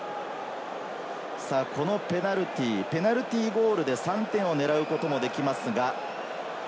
このペナルティー、ペナルティーゴールで３点を狙うこともできますが。